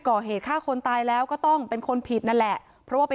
ก่อเหตุฆ่าคนตายแล้วก็ต้องเป็นคนผิดนั่นแหละเพราะว่าไป